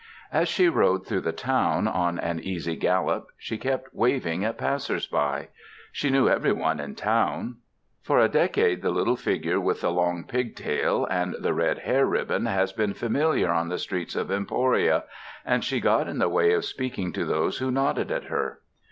As she rode through the town on an easy gallop she kept waving at passers by. She knew everyone in town. For a decade the little figure with the long pig tail and the red hair ribbon has been familiar on the streets of Emporia, and she got in the way of speaking to those who nodded at her.